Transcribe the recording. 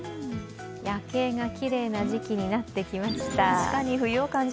夜景がきれいな時期になってきました。